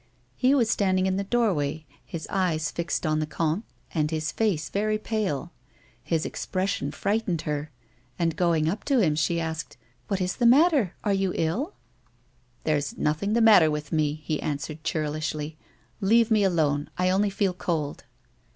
He was standing in the doorway his eyes fixed on the comte and his face very pale. His expression frightened her and, going up to him, she asked : "What is the matter? are you ill?" "There's nothing the matter with me," he answered, churlishly. " Leave me alone. I only feel cold."